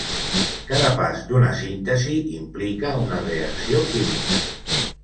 Cada pas d'una síntesi implica una reacció química.